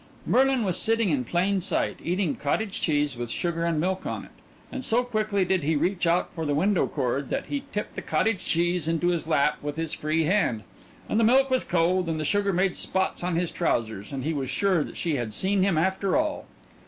Merlin was sitting in plain sight, eating cottage cheese with sugar and milk on it; and so quickly did he reach out for the window cord that he tipped the cottage cheese into his lap with his free hand and the milk was cold and the sugar made spots on his trousers, and he was sure that she had seen him after all.